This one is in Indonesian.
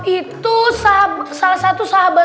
itu salah satu sahabat